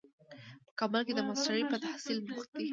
په کابل کې د ماسټرۍ په تحصیل بوخت دی.